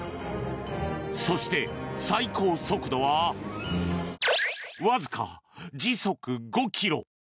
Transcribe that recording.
そして、最高速度はわずか時速５ｋｍ。